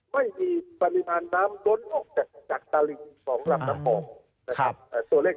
ไม่มีปรริมาณน้ำร้นออกจากตาฬิกของกลับน้ำป่อง